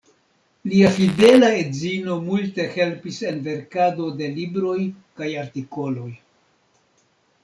Lia fidela edzino multe helpis en verkado de libroj kaj artikoloj.